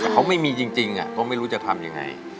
แต่เขาไม่มีจริงก็ไม่รู้จะทำยังไง